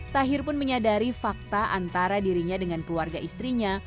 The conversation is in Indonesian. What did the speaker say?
tahir pun menyadari fakta antara dirinya dengan keluarga istrinya